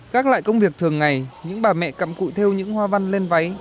các loại công việc thường ngày những bà mẹ cặm cụi theo những hoa văn lên váy